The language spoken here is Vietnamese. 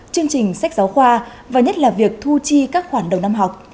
chương trình sách giáo khoa và nhất là việc thu chi các khoản đầu năm học